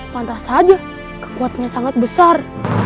pantas saja kekuatannya sangat besar